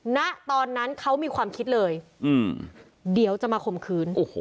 ณตอนนั้นเขามีความคิดเลยอืมเดี๋ยวจะมาคมคืนโอ้โห